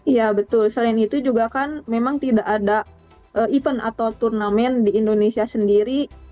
iya betul selain itu juga kan memang tidak ada event atau turnamen di indonesia sendiri